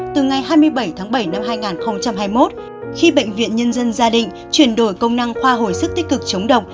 từ ngày hai mươi bảy bảy hai nghìn hai mươi một khi bệnh viện nhân dân gia đình chuyển đổi công năng khoa hồi sức tích cực chống độc